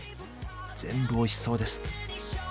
全部おいしそうです。